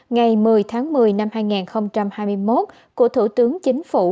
ngày một mươi tháng một mươi năm hai nghìn hai mươi một của thủ tướng chính phủ